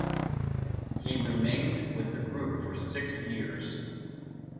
He remained with the group for six years.